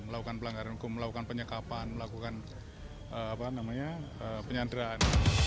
melakukan penyekapan melakukan penyandraan